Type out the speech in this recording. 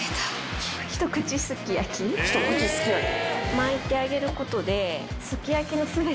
巻いてあげることで。